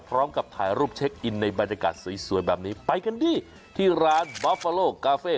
พร้อมกับถ่ายรูปเช็คอินในบรรยากาศสวยแบบนี้ไปกันที่ร้านบอฟฟาโลกาเฟ่